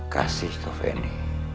kasih ke feni